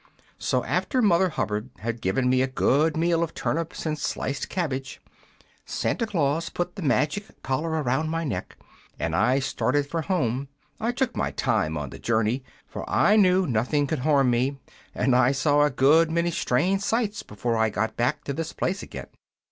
"So, after Mother Hubbard had given me a good meal of turnips and sliced cabbage, Santa Claus put the magic collar around my neck and I started for home. I took my time on the journey, for I knew nothing could harm me, and I saw a good many strange sights before I got back to this place again."